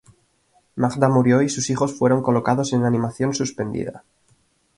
Magda murió y sus hijos fueron colocados en animación suspendida.